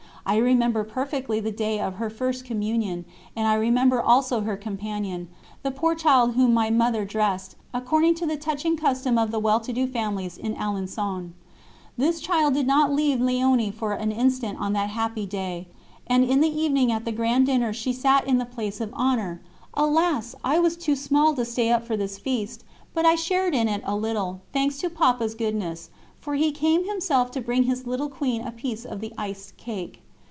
I remember perfectly the day of her First Communion, and I remember also her companion, the poor child whom my Mother dressed, according to the touching custom of the well to do families in Alençon. This child did not leave Léonie for an instant on that happy day, and in the evening at the grand dinner she sat in the place of honour. Alas! I was too small to stay up for this feast, but I shared in it a little, thanks to Papa's goodness, for he came himself to bring his little Queen a piece of the iced cake.